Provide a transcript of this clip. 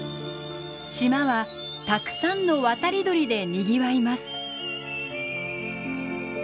島はたくさんの渡り鳥でにぎわいます。